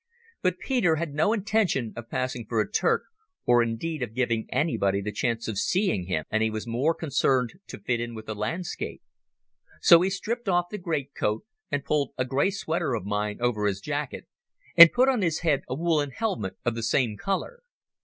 But Peter had no intention of passing for a Turk, or indeed of giving anybody the chance of seeing him, and he was more concerned to fit in with the landscape. So he stripped off the greatcoat and pulled a grey sweater of mine over his jacket, and put on his head a woollen helmet of the same colour.